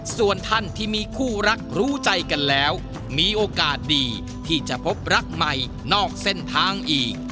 ส่วนท่านที่มีคู่รักรู้ใจกันแล้วมีโอกาสดีที่จะพบรักใหม่นอกเส้นทางอีก